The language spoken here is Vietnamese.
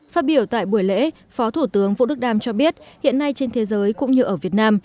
phát biểu tại buổi lễ phó thủ tướng vũ đức đam cho biết hiện nay trên thế giới cũng như ở việt nam